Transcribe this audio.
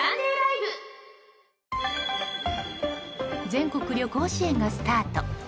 全国旅行支援がスタート。